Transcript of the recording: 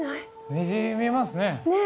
虹見えますね。